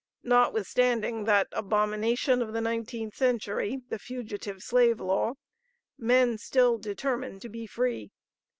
Notwithstanding that abomination of the nineteenth century the Fugitive Slave Law men still determine to be free.